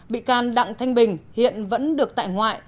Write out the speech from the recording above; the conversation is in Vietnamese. bị can đặng thanh bình hiện vẫn được tại ngoại